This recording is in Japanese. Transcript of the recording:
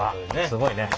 すごいね。